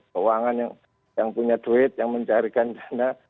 keuangan yang punya duit yang mencarikan dana